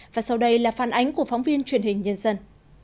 và sau đây là phản ánh của phóng viên truyền hình nhân dân